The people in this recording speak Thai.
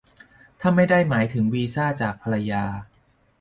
ถ้าไม่ได้หมายถึงวีซ่าจากภรรยา